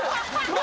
何？